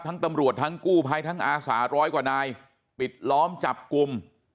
ตำรวจทั้งกู้ภัยทั้งอาสาร้อยกว่านายปิดล้อมจับกลุ่ม